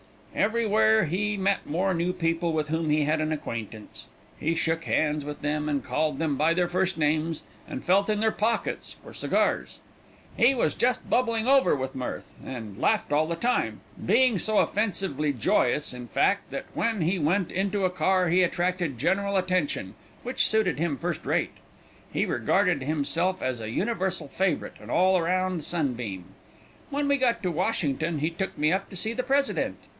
"Everywhere he met more new people with whom he had an acquaintance. He shook hands with them, and called them by their first names, and felt in their pockets for cigars. He was just bubbling over with mirth, and laughed all the time, being so offensively joyous, in fact, that when he went into a car, he attracted general attention, which suited him first rate. He regarded himself as a universal favorite and all round sunbeam. "When we got to Washington, he took me up to see the President.